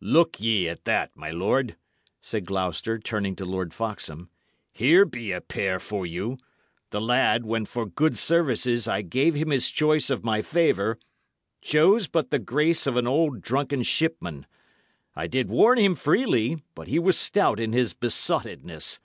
"Look ye at that, my lord," said Gloucester, turning to Lord Foxham. "Here be a pair for you. The lad, when for good services I gave him his choice of my favour, chose but the grace of an old, drunken shipman. I did warn him freely, but he was stout in his besottedness.